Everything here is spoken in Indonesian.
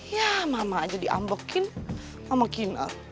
ya mama aja diambekin mama kinar